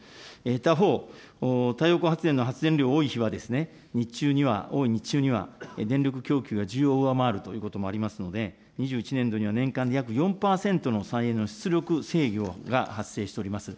他方、太陽光発電の発電量多い日は、日中には、多い日中には電力供給が需要を上回るということもありますので、２１年度には年間に約４％の再エネの出力制御が発生しております。